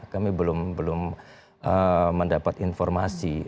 kami belum mendapat informasi